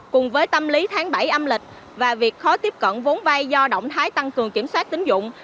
cùng với tâm lý tháng bảy âm lịch và việc khó tiếp cận vốn vay do động thái tăng cường kiểm soát tính dụng